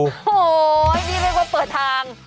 โห้ยยยยดีเลยว่าเปิดทาง